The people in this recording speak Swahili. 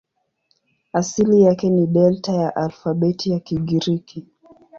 Asili yake ni Delta ya alfabeti ya Kigiriki.